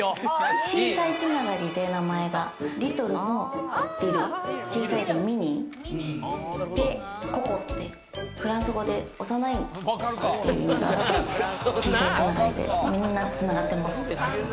小さいつながりでリトルのリル、小さいのミニー、ココってフランス語で幼い子っていう意味なんで、小さいつながりでみんな繋がってます。